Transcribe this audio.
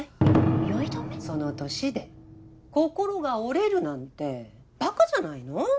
その年で心が折れるなんてバカじゃないの？